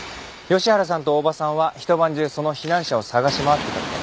吉原さんと大場さんは一晩中その避難者を捜し回ってたって。